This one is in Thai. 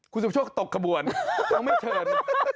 คุณสุภโชคตกขบวนน้องไม่เชิญ